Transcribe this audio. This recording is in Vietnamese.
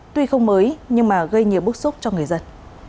tuy không mới nhưng mà gây nhiều bức xúc cho người dân